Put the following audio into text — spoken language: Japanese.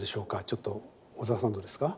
ちょっと小沢さんどうですか？